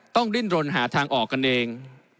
ต้องริ่นรนหาทางออกกันเอง